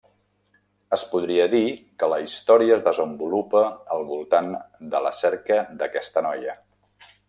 Es podria dir que la història es desenvolupa al voltant de la cerca d'aquesta noia.